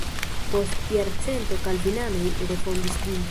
Post jarcento kalvinanoj refondis ĝin.